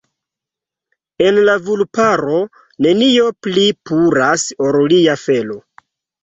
En la vulparo, nenio pli puras ol ria felo.